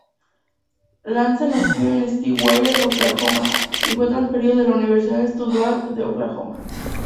Lance nació en Stillwater, Oklahoma, y fue transferido de la Universidad estadual de Oklahoma.